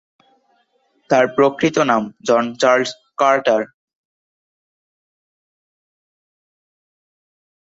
তার প্রকৃত নাম জন চার্লস কার্টার।